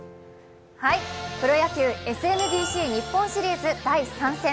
プロ野球ＳＭＢＣ日本シリーズ第３戦。